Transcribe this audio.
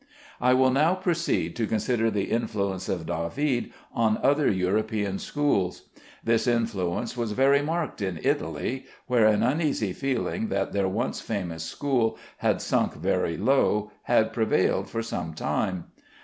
I will now proceed to consider the influence of David on other European schools. This influence was very marked in Italy, where an uneasy feeling that their once famous school had sunk very low had prevailed for some time.